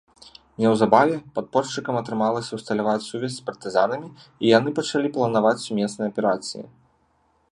Неўзабаве падпольшчыкам атрымалася ўсталяваць сувязь з партызанамі і яны пачалі планаваць сумесныя аперацыі.